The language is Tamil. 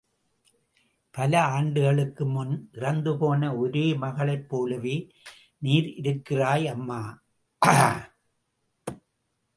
பல ஆண்டுகளுக்கு முன் இறந்து போன ஒரே மகளைப் போலவே நீர் இருக்கிறாய் அம்மா!